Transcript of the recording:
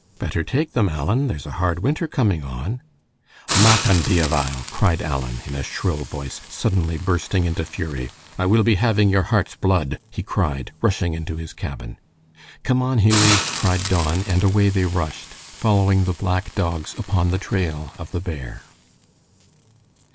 "Better take them, Alan, there's a hard winter coming on." "Mac an' Diabhoil!" cried Alan, in a shrill voice, suddenly bursting into fury. "I will be having your heart's blood," he cried, rushing into his cabin. "Come on, Hughie," cried Don, and away they rushed, following the black dogs upon the trail of the bear.